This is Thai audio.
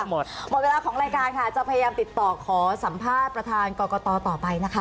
หมดหมดเวลาของรายการค่ะจะพยายามติดต่อขอสัมภาษณ์ประธานกรกตต่อไปนะคะ